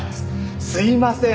すいません。